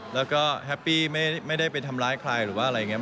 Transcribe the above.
แล้วก็แฮปปี้ไม่ได้ไปทำร้ายใครหรือว่าอะไรอย่างนี้